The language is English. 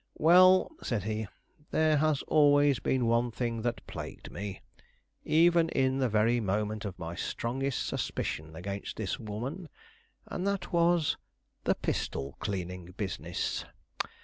"Well," said he, "there has always been one thing that plagued me, even in the very moment of my strongest suspicion against this woman, and that was, the pistol cleaning business.